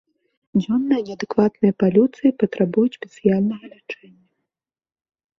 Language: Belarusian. Дзённыя неадэкватныя палюцыі патрабуюць спецыяльнага лячэння.